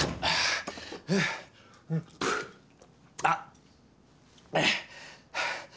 あっ！